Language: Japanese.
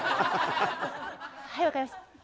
はい分かりました。